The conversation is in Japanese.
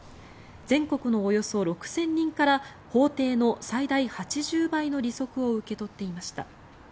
全国のおよそ６０００人から法定の最大８０倍の利息を受け取っていました。